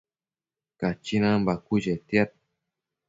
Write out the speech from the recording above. Cachinan bacuë chetiad